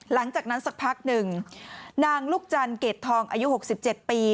หลังจากนั้นสักพักหนึ่งนางลูกจันเกรดทองอายุ๖๗ปี